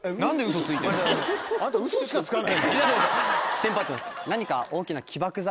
・テンパってます